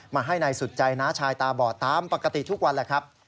ให้นายสุดใจน้าชายตาบอดตามปกติทุกวันแหละครับ